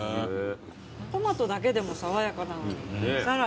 トマトだけでも爽やかなのにさらに。